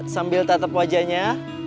sambil tatap wajahnya